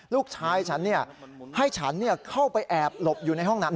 ลูกชายฉันให้ฉันเข้าไปแอบหลบอยู่ในห้องนั้น